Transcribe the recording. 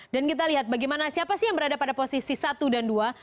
dan kita lihat bagaimana siapa sih yang berada pada posisi satu dan dua